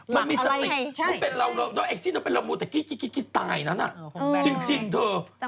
มันมีสติจริงถ้ามัวแต่กิ๊กตายนั้นจริงเธอ